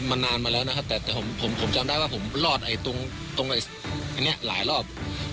มันนานมาแล้วนะครับแต่ผมจำได้ว่าผมรอดตรงอันนี้หลายรอบ